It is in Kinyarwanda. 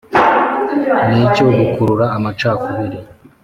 N icyo gukurura amacakubiri